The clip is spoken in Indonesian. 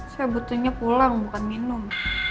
saya butuhnya pulang bukan minum